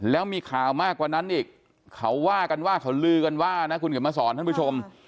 แล้วมีข่าวมากกว่านั้นอีกเขาว่ากันว่าคุณกลับมาสอนท่านผู้ชม